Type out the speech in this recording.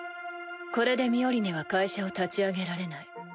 これでミオリネは会社を立ち上げられない。